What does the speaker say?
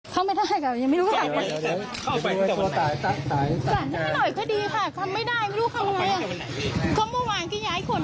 ก็มันเข้าบ้านไม่ได้